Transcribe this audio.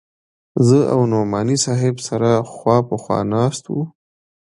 زه او نعماني صاحب سره خوا په خوا ناست وو.